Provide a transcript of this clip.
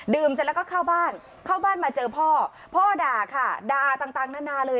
เสร็จแล้วก็เข้าบ้านเข้าบ้านมาเจอพ่อพ่อด่าค่ะด่าต่างนานาเลย